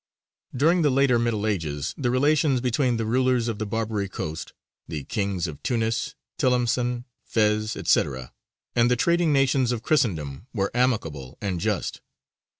During the later Middle Ages the relations between the rulers of the Barbary coast the kings of Tunis, Tilimsān, Fez, &c. and the trading nations of Christendom were amicable and just.